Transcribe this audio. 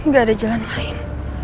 gak ada jalan lain